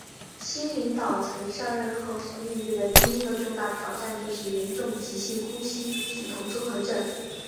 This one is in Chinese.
新领导层上任后所面对的第一个重大挑战就是严重急性呼吸系统综合症。